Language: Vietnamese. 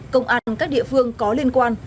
công an các địa phương có liên quan